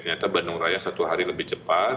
ternyata bandung raya satu hari lebih cepat